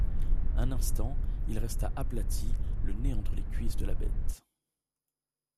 Un instant, il resta aplati, le nez entre les cuisses de la bête.